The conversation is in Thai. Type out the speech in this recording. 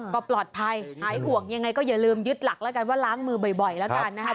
ก็ปลอดภัยหายห่วงยังไงก็อย่าลืมยึดหลักแล้วกันว่าล้างมือบ่อยแล้วกันนะครับ